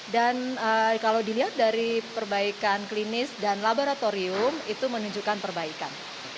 dan kalau dilihat dari perbaikan klinis dan laboratorium itu menunjukkan perbaikan